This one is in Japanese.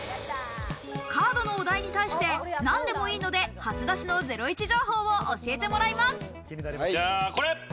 カードのお題に対して、なんでもいいので初出しのゼロイチ情報をじゃあこれ。